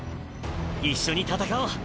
一緒に戦おう！